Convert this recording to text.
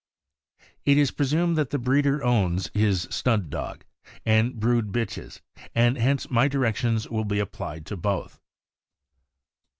It is presumed that the breeder owns his stud dog and brood bitches, and hence my directions will be applied to both.